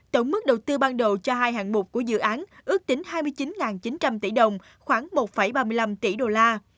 tổng mức đầu tư ban đầu cho hai hạng mục của dự án ước tính hai mươi chín chín trăm linh tỷ đồng khoảng một ba mươi năm tỷ đô la